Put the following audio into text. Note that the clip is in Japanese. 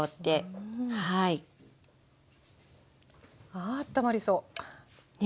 ああったまりそう。ね